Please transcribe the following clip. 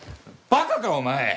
バカかお前！